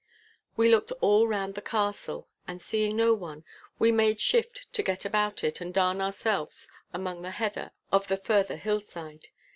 We looked all round the castle, and seeing no one, we made shift to get about it and darn ourselves among the heather of the further hillside.